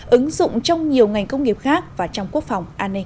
ứng dụng trong nhiều ngành công nghiệp khác và trong quốc phòng an ninh